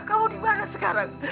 kamu di mana sekarang